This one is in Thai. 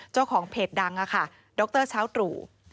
เจ้าของเพจดังค่ะดรเช้าตรู่